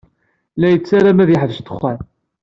La yettarem ad yeḥbes ddexxan.